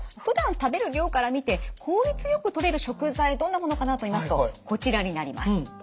ふだん食べる量から見て効率よくとれる食材どんなものかなといいますとこちらになります。